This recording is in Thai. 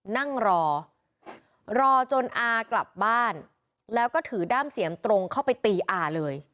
นั่งรอรอจนอากลับบ้านแล้วก็ถือด้ามเสียมตรงเข้าไปตีอาเลย